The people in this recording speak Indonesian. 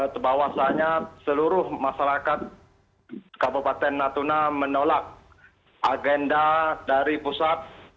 kebawasannya seluruh masyarakat kabupaten natuna menolak agenda dari pusat